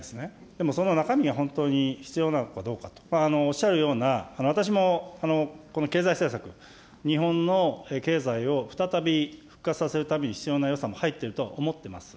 でも、その中身が本当に必要なのかどうかと、おっしゃるような、私もこの経済政策、日本の経済を再び復活させるために必要な予算も入っているとは思っています。